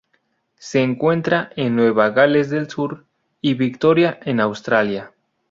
Se encuentra en Nueva Gales del Sur y Victoria en Australia.